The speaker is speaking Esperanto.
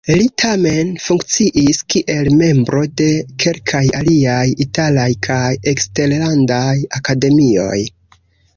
Li tamen funkciis kiel membro de kelkaj aliaj italaj kaj eksterlandaj akademioj.